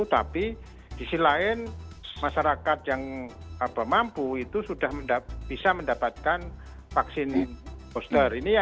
tapi di sisi lain masyarakat yang mampu itu sudah bisa mendapatkan vaksin booster